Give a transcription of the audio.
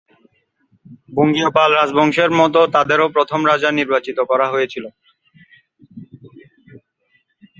বঙ্গীয় পাল রাজবংশের মত তাদেরও প্রথম রাজা নির্বাচিত করা হয়েছিল।